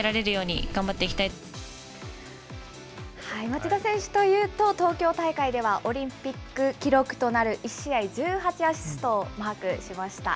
町田選手というと、東京大会ではオリンピック記録となる１試合１８アシストをマークしました。